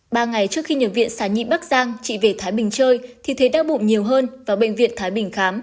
ba ngày trước khi nhập viện sản nhi bắc giang chị về thái bình chơi thì thấy đau bụng nhiều hơn vào bệnh viện thái bình khám